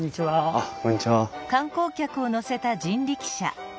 あっこんにちは。